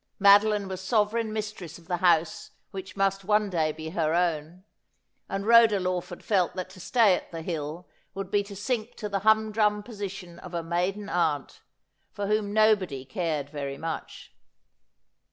Madoline was sovereign mistress of the house which must one day be her own ; and Rhoda Lawford felt that to stay at the Hill would be to sink to the humdrum position of a maiden aunt, for whom nobody cared very much.